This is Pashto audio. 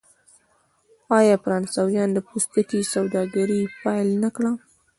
آیا فرانسویانو د پوستکي سوداګري پیل نه کړه؟